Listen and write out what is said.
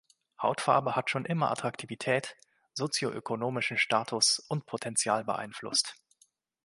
Hautfarbe hat schon immer Attraktivität, sozioökonomischen Status und Potenzial beeinflusst.